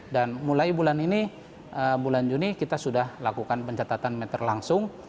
dan mulai bulan ini bulan juni kita sudah lakukan pencatatan meter langsung